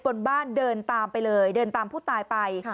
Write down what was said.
บนบ้านเดินตามไปเลยเดินตามผู้ตายไป